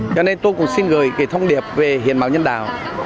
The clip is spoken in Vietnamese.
cho nên tôi cũng xin gửi cái thông điệp về hiến máu nhân đạo